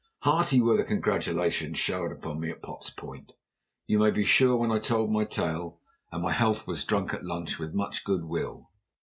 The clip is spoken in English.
Hearty were the congratulations showered upon me at Potts Point, you may be sure, when I told my tale, and my health was drunk at lunch with much goodwill.